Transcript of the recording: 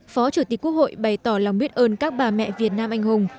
phó chủ tịch quốc hội bày tỏ lòng biết ơn các bà mẹ việt nam anh hùng